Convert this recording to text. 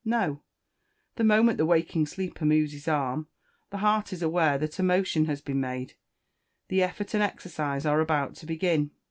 No! The moment the waking sleeper moves his arm, the heart is aware that a motion has been made, that effort and exercise are about to begin.